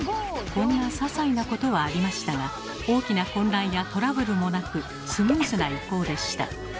こんなささいなことはありましたが大きな混乱やトラブルもなくスムーズな移行でした。